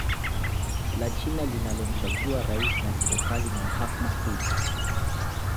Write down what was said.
La China linalomchagua Rais na serikali na mhakama kuu